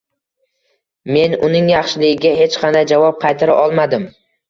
Men uning yaxshiligiga hech qanday javob qaytara olmadim